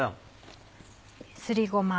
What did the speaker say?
すりごま。